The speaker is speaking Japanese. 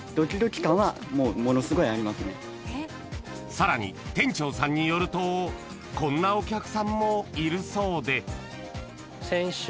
［さらに店長さんによるとこんなお客さんもいるそうで］